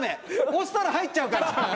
押したら入っちゃうから。